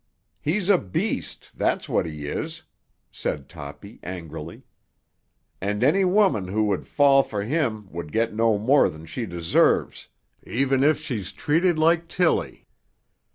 "He's a beast, that's what he is!" said Toppy angrily. "And any woman who would fall for him would get no more than she deserves, even if she's treated like Tilly.